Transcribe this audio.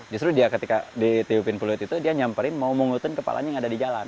justru dia ketika ditiupin peluit itu dia nyamperin mau mengutuin kepalanya yang ada di jalan